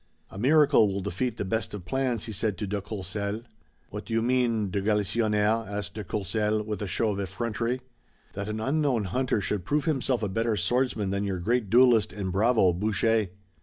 "A miracle will defeat the best of plans," he said to de Courcelles. "What do you mean, de Galisonnière?" asked de Courcelles with a show of effrontery. "That an unknown hunter should prove himself a better swordsman than your great duelist and bravo, Boucher."